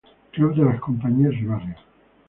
Club de las compañías y barrios